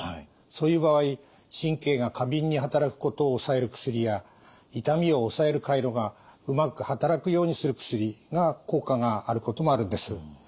そういう場合神経が過敏に働くことを抑える薬や痛みを抑える回路がうまく働くようにする薬が効果があることもあるんです。